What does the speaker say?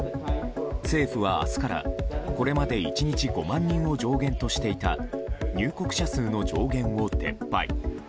政府は明日からこれまで１日５万人を上限としていた入国者数の上限を撤廃。